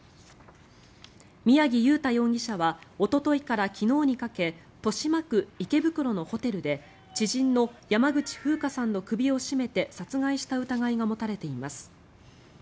宮城祐太容疑者はおとといから昨日にかけ豊島区池袋のホテルで知人の山口ふうかさんの首を絞めて殺害した疑いが持たれています。